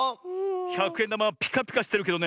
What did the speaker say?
ひゃくえんだまはピカピカしてるけどね